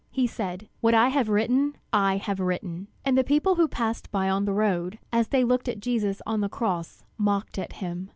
He said: "What I have written, I have written." And the people who passed by on the road, as they looked at Jesus on the cross, mocked at him.